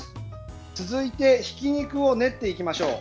続いてひき肉を練っていきましょう。